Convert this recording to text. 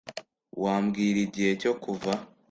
Wambwira igihe cyo kuva